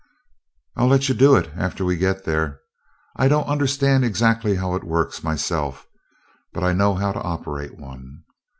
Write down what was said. "I'll let you do it after we get there. I don't understand exactly how it works, myself, but I know how to operate one.